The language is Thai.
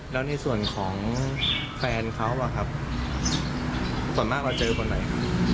แล้วในส่วนของแฟนเขาอะครับส่วนมากเราเจอคนไหนครับ